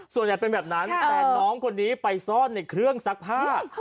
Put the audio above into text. ส่วนใหญ่เป็นแบบนั้นแต่น้องคนนี้ไปซ่อนในเครื่องซักผ้า